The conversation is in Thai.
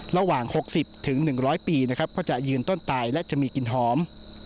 ระหว่าง๖๐๑๐๐ปีนะครับก็จะยืนต้นตายและจะมีกลิ่นหอม